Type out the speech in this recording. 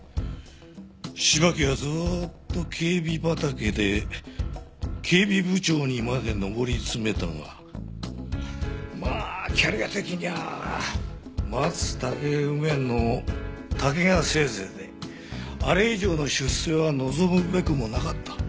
芝木はずーっと警備畑で警備部長にまで上り詰めたがまあキャリア的には松竹梅の竹がせいぜいであれ以上の出世は望むべくもなかった。